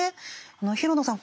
廣野さん